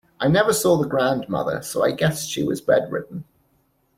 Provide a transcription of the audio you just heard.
I never saw the grandmother, so I guessed she was bedridden.